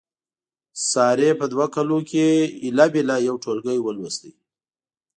سارې په دوه کالونو کې هیله بیله یو ټولګی ولوست.